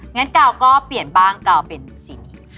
งั้นกาวก็เปลี่ยนบ้างกาวเป็นสีนี้